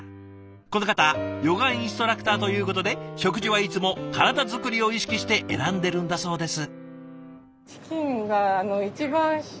この方ヨガインストラクターということで食事はいつも体作りを意識して選んでるんだそうです。